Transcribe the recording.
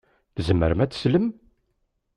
Tzemrem ad teslem?